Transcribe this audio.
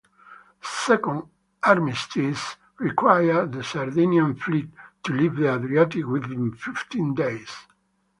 The second armistice required the Sardinian fleet to leave the Adriatic within fifteen days.